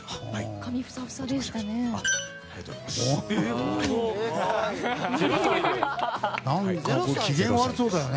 髪がふさふさでしたね。